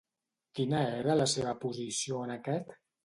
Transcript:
Quina era la seva posició en aquest?